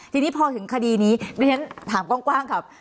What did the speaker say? ทีนี้พอถึงคดีนี้ด้วยฉะนั้นถามกว้างครับ